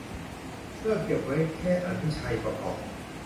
เลือกเก็บไว้แต่อันที่ใช่ก็พอ